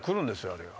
あれが。